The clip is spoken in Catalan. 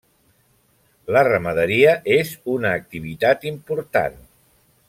La ramaderia és una activitat important.